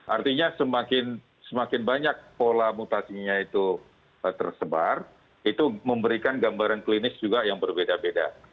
artinya semakin banyak pola mutasinya itu tersebar itu memberikan gambaran klinis juga yang berbeda beda